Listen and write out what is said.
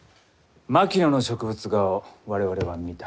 槙野の植物画を我々は見た。